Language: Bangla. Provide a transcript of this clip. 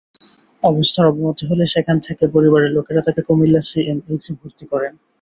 অবস্থার অবনতি হলে সেখান থেকে পরিবারের লোকেরা তাকে কুমিল্লা সিএমএইচে ভর্তি করেন।